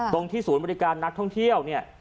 ที่ศูนย์บริการนักท่องเที่ยวเนี่ย